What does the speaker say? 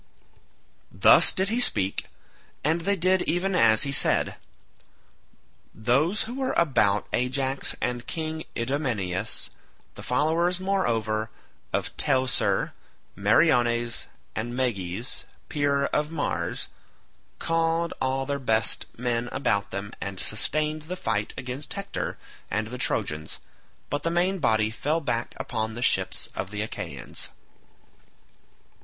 Thus did he speak, and they did even as he had said. Those who were about Ajax and King Idomeneus, the followers moreover of Teucer, Meriones, and Meges peer of Mars called all their best men about them and sustained the fight against Hector and the Trojans, but the main body fell back upon the ships of the Achaeans.